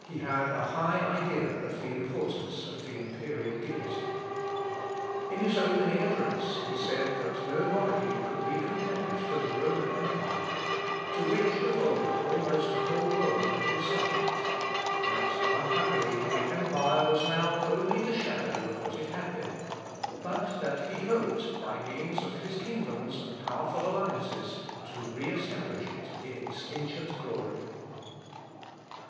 He had a high idea of the importance of the imperial dignity. In his opening address he said, that no monarchy could be compared to the Roman empire, to which of old almost the whole world had been subject; that, unhappily, the empire was now only the shadow of what it had been; but that he hoped, by means of his kingdoms and powerful alliances, to re establish it in its ancient glory.